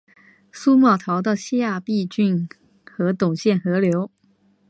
苏茂逃到下邳郡和董宪合流。